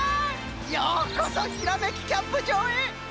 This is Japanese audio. ようこそひらめきキャンプじょうへ！